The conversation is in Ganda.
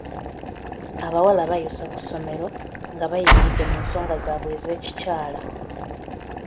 Abawala bayosa ku ssomero nga bayingidde mu nsonga zaabwe ez'ekikyala.